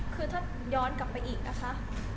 คือถ้าย้อนกลับไปอีกนะคะ